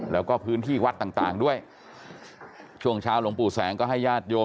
แล้วก็พื้นที่วัดต่างด้วยช่วงเช้าหลวงปู่แสงก็ให้ญาติโยม